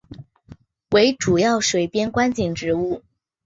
为主要水边观景植物。